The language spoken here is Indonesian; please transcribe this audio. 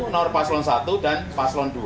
nomor paslon satu dan paslon dua